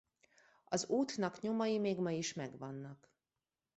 Az útnak nyomai még ma is megvannak.